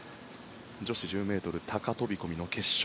女子１０ｍ高飛込の決勝。